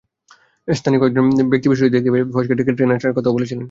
স্থানীয় কয়েক ব্যক্তি বিষয়টি দেখতে পেয়ে ফয়েজকে ডেকে ট্রেন আসার কথাও বলেছিলেন।